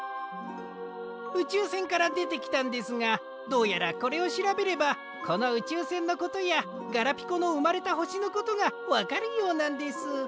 うちゅうせんからでてきたんですがどうやらこれをしらべればこのうちゅうせんのことやガラピコのうまれたほしのことがわかるようなんです。